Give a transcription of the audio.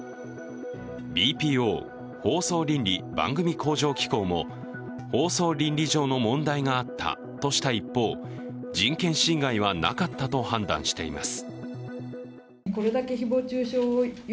ＢＰＯ＝放送倫理・番組向上機構も放送倫理上の問題があったとした一方、人権侵害はなかったと判断しています。